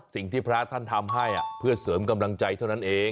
สิ่งที่พระท่านทำให้เพื่อเสริมกำลังใจเท่านั้นเอง